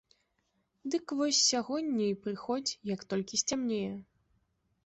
Дык вось сягоння і прыходзь, як толькі сцямнее.